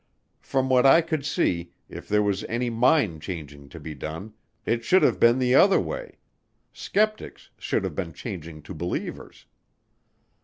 From what I could see, if there was any mind changing to be done it should have been the other way, skeptics should have been changing to believers.